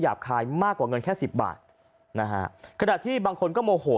คายมากกว่าเงินแค่สิบบาทนะฮะขณะที่บางคนก็โมโห